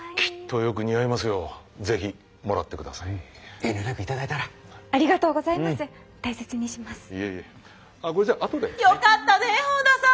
よかったね本田さん！